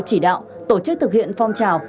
chỉ đạo tổ chức thực hiện phong trào